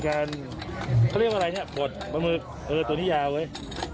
เขาเรียกว่าอะไรเนี่ยบดบังมือตัวนี้ยาวเว้ย